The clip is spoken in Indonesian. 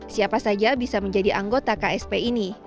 siapa saja bisa menjadi anggota ksp ini